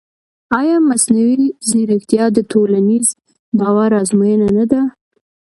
ایا مصنوعي ځیرکتیا د ټولنیز باور ازموینه نه ده؟